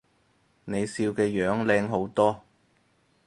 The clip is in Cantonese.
你笑嘅樣靚好多